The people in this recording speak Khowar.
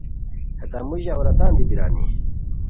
ہیتان موژی عورتان دی بیرانی